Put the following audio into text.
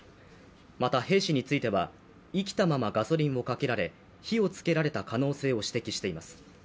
また、兵士については生きたままガソリンをかけられ、火をつけられた可能性を指摘しています。